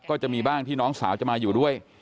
ก็จะมีบ้างที่น้องสาวจะมาอยู่ด้วย